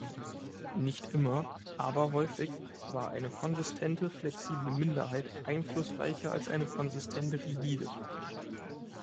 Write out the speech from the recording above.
Nicht immer, aber häufig war eine konsistente-flexible Minderheit einflussreicher als eine konsistent-rigide.